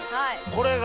これが。